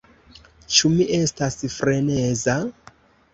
Ĉu mi estas freneza?